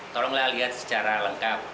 tolonglah lihat secara lengkap